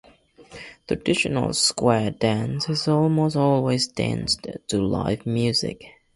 Traditional square dance is almost always danced to live music.